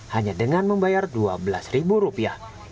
hanya dengan membayar dua belas ribu rupiah